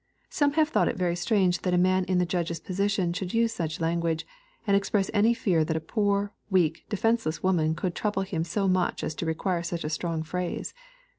Some have thought it very strange that a man in the judge's position should use such language, and express any fear that a poor, weak, defenceless woman could trouble him so much as to require such a strong phrase.